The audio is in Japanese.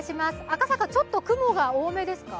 赤坂、ちょっと雲が多めですか？